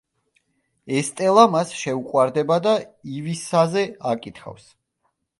ესტელა მას შეუყვარდება და ივისაზე აკითხავს.